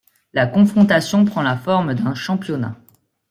La confrontation prend la forme d'un championnat.